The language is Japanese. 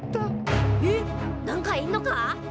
えっ！？なんかいんのか！？